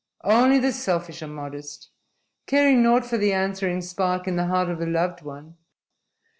"Only the selfish are modest, caring naught for the answering spark in the heart of the loved one.